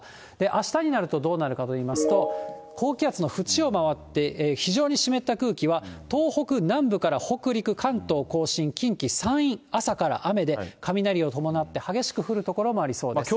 あしたになると、どうなるかといいますと、高気圧の縁を回って非常に湿った空気は、東北南部から北陸、関東甲信、近畿、山陰、朝から雨で、雷を伴って激しく降る所もありそうです。